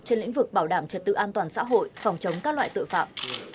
trên lĩnh vực bảo đảm trật tự an toàn xã hội phòng chống các loại tội phạm